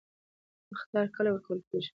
اخطار کله ورکول کیږي؟